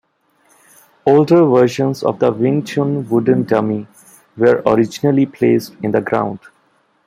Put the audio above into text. Older versions of the Wing Chun wooden dummy were originally placed in the ground.